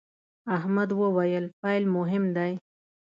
احمد وويل: پیل مهم دی.